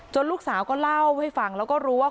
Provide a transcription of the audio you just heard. ลูกสาวก็เล่าให้ฟังแล้วก็รู้ว่า